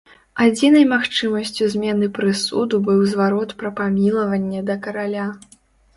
Адзінай магчымасцю змены прысуду быў зварот пра памілаванне да караля.